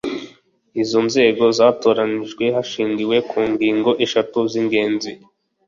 izo nzego zatoranyijwe hashingiwe ku ngingo eshatu z’ingenzi